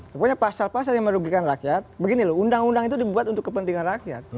pokoknya pasal pasal yang merugikan rakyat begini loh undang undang itu dibuat untuk kepentingan rakyat